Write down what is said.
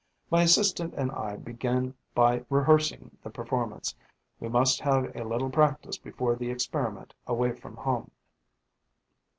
My assistant and I begin by rehearsing the performance; we must have a little practice before trying the experiment away from home.